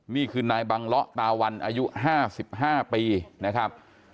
นี่คือนายบังเลาะตาวันอายุ๕๕ปีนะครับ